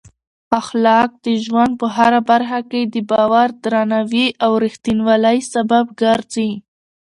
اخلاق د ژوند په هره برخه کې د باور، درناوي او رښتینولۍ سبب ګرځي.